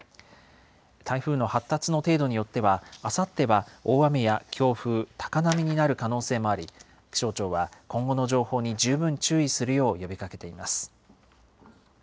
台風の発達の程度によっては、あさっては大雨や強風、高波になる可能性もあり、気象庁は今後の情報に十分注意するよう呼びかけています。